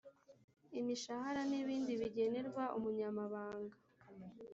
Imishahara nibindi bigenerwa Umunyamabanga